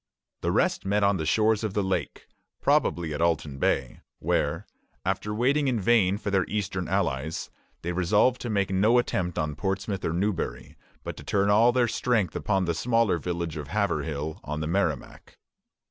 The rest met on the shores of the lake, probably at Alton Bay, where, after waiting in vain for their eastern allies, they resolved to make no attempt on Portsmouth or Newbury, but to turn all their strength upon the smaller village of Haverhill, on the Merrimac.